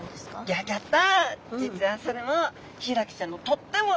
ギョギョッ！